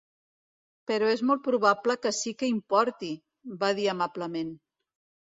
"Però és molt probable que sí que importi", va dir amablement.